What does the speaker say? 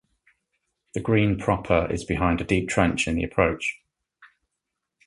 The green proper is behind a deep trench in the approach.